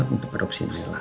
untuk adopsi nailah